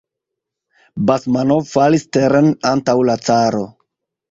Basmanov falis teren antaŭ la caro.